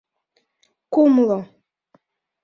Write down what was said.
Кумло!